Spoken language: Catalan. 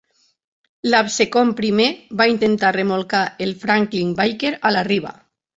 L'Absecon primer va intentar remolcar el Franklin Baker a la riba.